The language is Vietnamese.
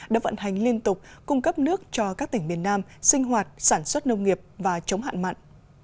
đã vận hành liên tục cung cấp nước cho các tỉnh miền nam sinh hoạt sản xuất nông nghiệp và chống hạn mặn